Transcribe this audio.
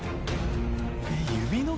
指の。